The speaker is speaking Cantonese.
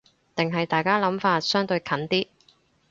定係大家諗法相對近啲